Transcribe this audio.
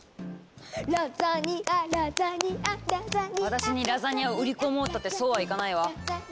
私にラザニアを売り込もうったってそうはいかないわ。